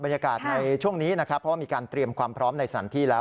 บรรยากาศในช่วงนี้เพราะว่ามีการตรงพร้อมในสถานที่แล้ว